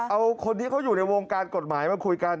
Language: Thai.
เอาคนที่เขาอยู่ในวงการกฎหมายมาคุยกัน